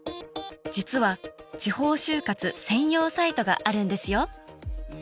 実は地方就活専用サイトがあるんですよ。